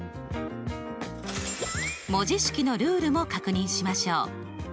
文字式のルールも確認しましょう。